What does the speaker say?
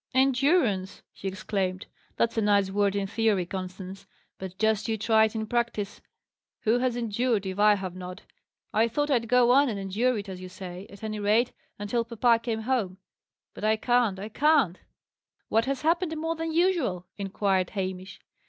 "Endurance!" he exclaimed. "That's a nice word in theory, Constance; but just you try it in practice! Who has endured, if I have not? I thought I'd go on and endure it, as you say; at any rate, until papa came home. But I can't I can't!" "What has happened more than usual?" inquired Hamish.